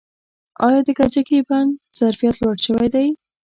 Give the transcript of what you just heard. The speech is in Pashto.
آیا د کجکي بند ظرفیت لوړ شوی دی؟